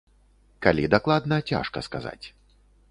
Калі дакладна, цяжка сказаць.